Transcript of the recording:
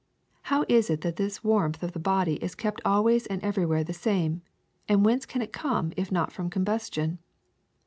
''How is it that this warmth of the body is kept always and everywhere the same ; and whence can it come if not from combustion?